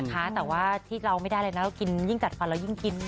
แต่ว่าที่เราไม่ได้เลยนะเรากินยิ่งจัดฟันเรายิ่งกิน